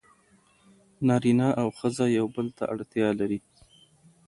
نارینه او ښځه یو بل ته اړتیا لري.